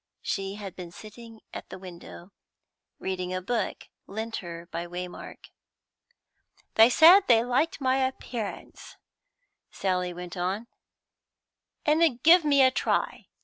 She had been sitting at the window, reading a book lent her by Waymark. "They said they liked my appearance," Sally went on, "and 'ud give me a try.